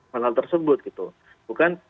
hal hal tersebut bukan